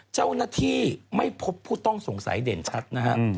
เจ้าหน้าที่ไม่พบผู้ต้องสงสัยเด่นชัดนะฮะ